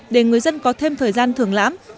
để người dân có thêm thời gian thưởng lãm